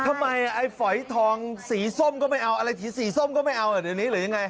ทำไมไอ้ฝอยทองสีส้มก็ไม่เอาอะไรสีสีส้มก็ไม่เอาเดี๋ยวนี้หรือยังไง